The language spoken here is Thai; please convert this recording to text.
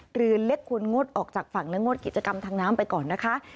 เรือเล็กควรงดออกจากฝั่งและงดกิจกรรมทางน้ำไปก่อนนะคะ